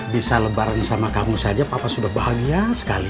bisa lebaran sama kamu saja papa sudah bahagia sekali